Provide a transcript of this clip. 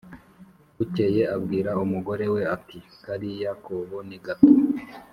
bukeye abwira umugore we ati: "kariya kobo ni gato